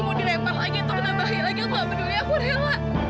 mau dilempar lagi menambahin lagi aku nggak peduli aku rela